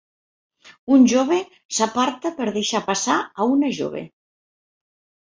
Un jove s"aparta per deixar passar a una jove.